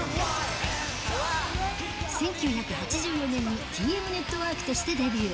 １９８４年にＴＭＮＥＴＷＯＲＫとしてデビュー。